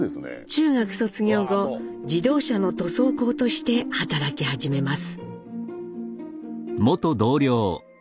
中学卒業後自動車の塗装工として働き始めます。